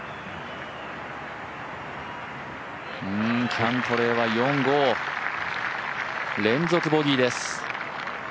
キャントレーは４、５、連続ボギーです。